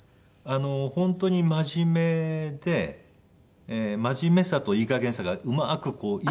本当に真面目で真面目さといいかげんさがうまーくい